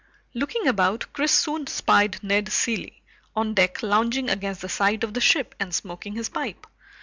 Looking about, Chris soon spied Ned Cilley, on deck lounging against the side of the ship and smoking his pipe.